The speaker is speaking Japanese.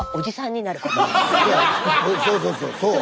そうそうそうそう！